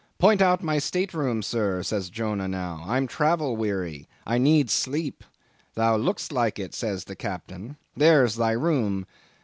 'Point out my state room, Sir,' says Jonah now, 'I'm travel weary; I need sleep.' 'Thou lookest like it,' says the Captain, 'there's thy room.